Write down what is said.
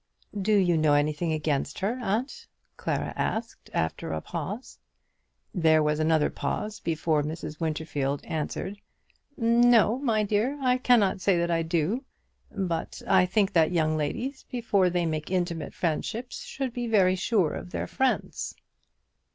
"Do you know anything against her, aunt?" Clara asked, after a pause. There was another pause before Mrs. Winterfield answered. "No my dear; I cannot say that I do. But I think that young ladies, before they make intimate friendships, should be very sure of their friends."